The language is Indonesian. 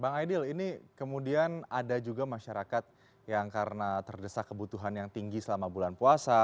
bang aidil ini kemudian ada juga masyarakat yang karena terdesak kebutuhan yang tinggi selama bulan puasa